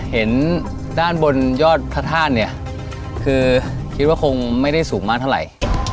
ขึ้นด้านบนยอดททคือคิดว่าคงไม่ได้สูงมากเท่าไหร่